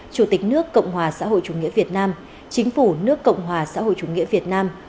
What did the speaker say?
chủ tịch nước cộng hòa xã hội chủ nghĩa việt nam chính phủ nước cộng hòa xã hội chủ nghĩa việt nam